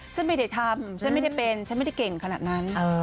ฉันไม่ได้ทำฉันไม่ได้เป็นฉันไม่ได้เก่งขนาดนั้น